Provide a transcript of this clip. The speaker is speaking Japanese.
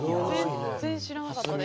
全然知らなかったです。